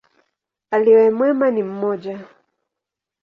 Aliye mwema ni mmoja.